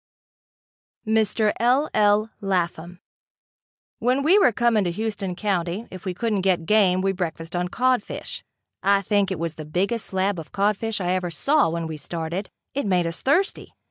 Mr. L. L. Lapham. When we were coming to Houston County, if we couldn't get game we breakfasted on codfish. I think it was the biggest slab of codfish I ever saw when we started. It made us thirsty.